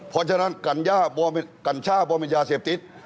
เพราะฉะนั้นกัญช่าเบาเป็นยาเสพติศ